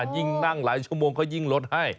ยิ่งนั่งหลายชั่วโมงเขายิ่งลดให้